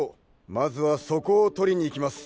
まずはそこを取りにいきます。